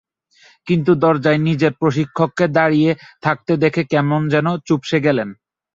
কিন্তু দরজায় নিজের প্রশিক্ষককে দাঁড়িয়ে থাকতে দেখে কেমন যেন চুপসে গেলেন।